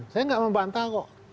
saya nggak membantah kok